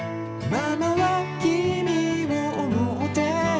「ママはきみを思ってる」